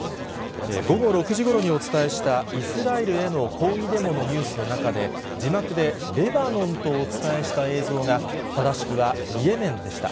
午後６時ごろにお伝えしたイスラエルへの抗議デモのニュースの中で、字幕でレバノンとお伝えした映像が、正しくはイエメンでした。